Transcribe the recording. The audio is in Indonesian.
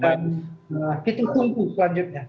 dan kita tunggu selanjutnya